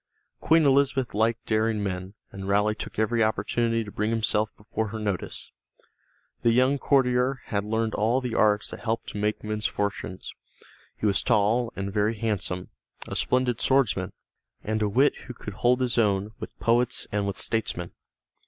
Queen Elizabeth liked daring men, and Raleigh took every opportunity to bring himself before her notice. The young courtier had learned all the arts that helped to make men's fortunes. He was tall and very handsome, a splendid swordsman, and a wit who could hold his own with poets and with statesmen.